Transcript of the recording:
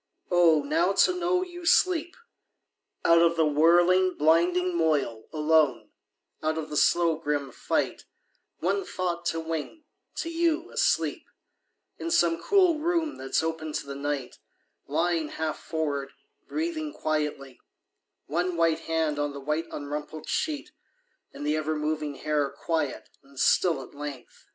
Oh, now to know you sleep! Out of the whirling blinding moil, alone, Out of the slow grim fight, One thought to wing to you, asleep, In some cool room that's open to the night Lying half forward, breathing quietly, One white hand on the white Unrumpled sheet, and the ever moving hair Quiet and still at length!